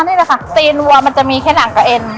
สีรีส์วัวมันจะมีแค่หนังกะเอ็น